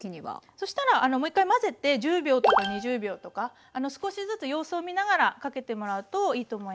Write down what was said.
そしたらもう一回混ぜて１０秒とか２０秒とか少しずつ様子を見ながらかけてもらうといいと思います。